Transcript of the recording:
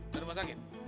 dan rumah sakit